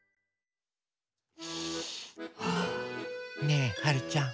ねえはるちゃん。